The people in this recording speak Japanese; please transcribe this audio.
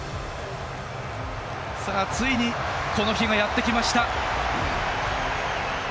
ついに、この日がやってきました。